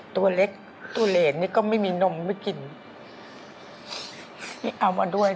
ตัวเล็กตัวเรทก็ไม่มีนมไม่กินไม่เอามาด้วย